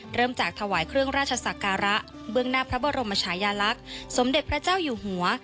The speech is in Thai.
เริ่มจากถวายเครื่องราชศักระเบื้องหน้าพระบรมชายาลักษณ์สมเด็จพระเจ้าอยู่หัว